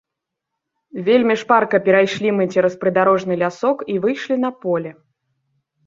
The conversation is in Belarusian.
Вельмі шпарка перайшлі мы цераз прыдарожны лясок і выйшлі на поле.